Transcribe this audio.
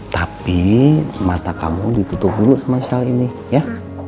tapi mata kamu ditutup dulu sama shalini ya